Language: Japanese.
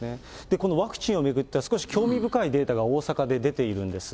このワクチンを巡っては少し興味深いデータが大阪で出ているんです。